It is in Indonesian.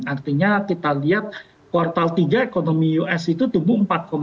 artinya kita lihat kuartal tiga ekonomi us itu tumbuh empat dua